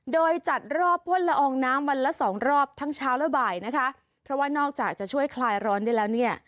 โดยจัดรอบพ่นละอองน้ำวันละสองรอบทั้งเช้าและบ่ายนะคะเพราะว่านอกจากจะช่วยคลายร้อนได้แล้วเนี่ย